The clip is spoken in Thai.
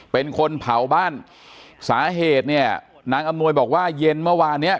เป็นคนเผาบ้านสาเหตุเนี่ยนางอำนวยบอกว่าเย็นเมื่อวานเนี้ย